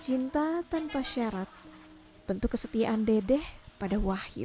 cinta tanpa syarat bentuk kesetiaan dedeh pada wahyu